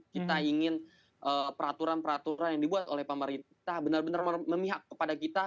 kita ingin peraturan peraturan yang dibuat oleh pemerintah benar benar memihak kepada kita